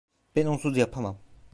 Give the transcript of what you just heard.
Ben onsuz yapamam…